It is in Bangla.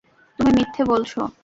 তুমি মিথ্যে বলছ!